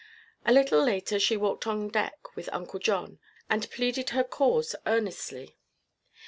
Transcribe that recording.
A little later she walked on deck with Uncle John and pleaded her cause earnestly.